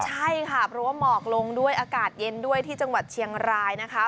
ใช่ค่ะเพราะว่าหมอกลงด้วยอากาศเย็นด้วยที่จังหวัดเชียงรายนะคะ